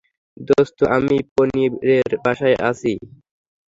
দোস্ত, আমি পনিরের বাসায় আছি।